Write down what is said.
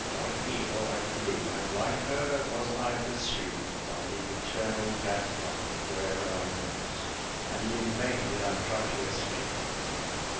Like Io, I flew; and like her, was I pursued by the eternal gad fly, wherever I went, and in vain did I try to escape it.